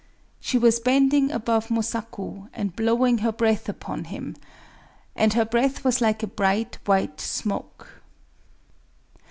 She was bending above Mosaku, and blowing her breath upon him;—and her breath was like a bright white smoke.